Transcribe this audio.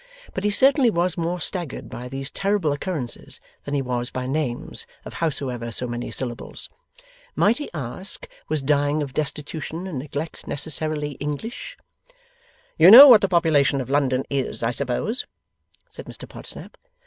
But he certainly was more staggered by these terrible occurrences than he was by names, of howsoever so many syllables. Might he ask, was dying of destitution and neglect necessarily English? 'You know what the population of London is, I suppose,' said Mr Podsnap.